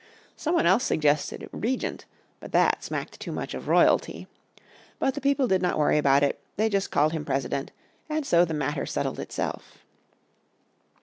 Someone else suggested "Regent," but that smacked too much of royalty. But the people did not worry about it; they just called him President, and so the matter settled itself.